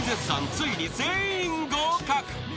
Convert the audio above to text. ついに全員合格］